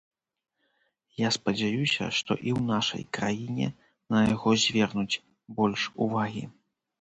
Я спадзяюся, што і ў нашай краіне на яго звернуць больш увагі.